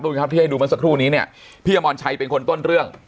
รู้ไหมครับพี่ให้ดูมันสักครู่นี้เนี้ยพี่อมอนชัยเป็นคนต้นเรื่อง